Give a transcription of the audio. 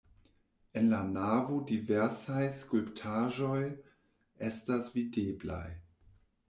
En la navo diversaj skulptaĵoj estas videblaj.